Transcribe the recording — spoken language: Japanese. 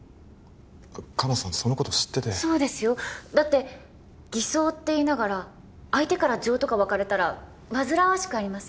香菜さんそのこと知っててそうですよだって偽装って言いながら相手から情とか湧かれたら煩わしくありません？